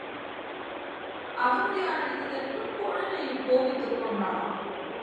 அகமுடையான் அடித்ததற்குக் கொழுநனைக் கோபித்துக் கொண்டாளாம்.